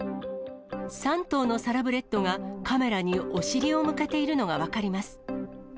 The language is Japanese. ３頭のサラブレッドがカメラにお尻を向けているのが分かります。